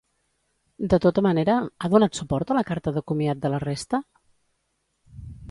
De tota manera, ha donat suport a la carta de comiat de la resta?